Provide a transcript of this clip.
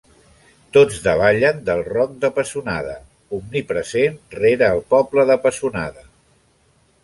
Tots davallen del Roc de Pessonada, omnipresent rere el poble de Pessonada.